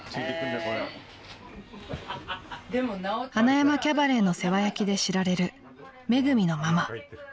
［塙山キャバレーの世話焼きで知られるめぐみのママ］